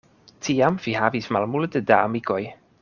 Tiam vi havis malmulte da amikoj?